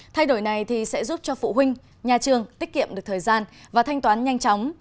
thay đổi này sẽ giúp cho phụ huynh nhà trường tiết kiệm được thời gian và thanh toán nhanh chóng